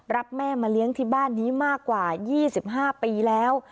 แม่มาเลี้ยงที่บ้านนี้มากกว่า๒๕ปีแล้ว